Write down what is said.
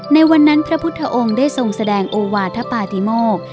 ในวันนั้นพระพุทธองค์ได้ทรงแสดงโอวาธปาติโมก